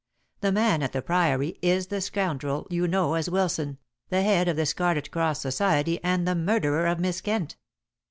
The man at the Priory is the scoundrel you know as Wilson, the head of the Scarlet Cross Society and the murderer of Miss Kent."